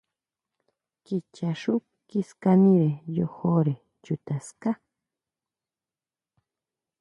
Kichaxú kiskanire yojore chuta ská.